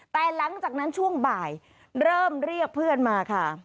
แต่หลังจากนั้นช่วงบ่ายเริ่มเรียกเพื่อนมาค่ะ